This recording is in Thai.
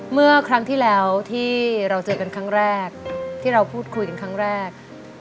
เมื่อครั้งที่แล้วที่เราเจอกันครั้งแรกที่เราพูดคุยกันครั้งแรก